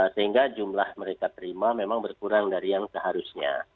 sehingga jumlah mereka terima memang berkurang dari yang seharusnya